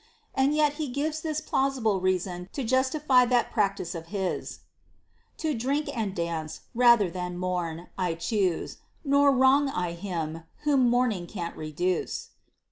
And yet he gives this plausible reason to justify that practice of his, To drink and dance, rather than mourn, I choose ; Nor wrong I him, whom mourning can't reduce.